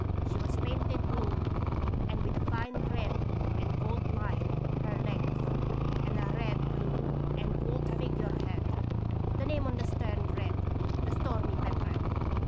She was painted blue, with a fine red and gold line her length, and a red, blue and gold figure head. The name on the stern read The Stormy Petrel.